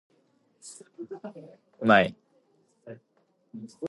Power supplies are typically less efficient when lightly or heavily loaded.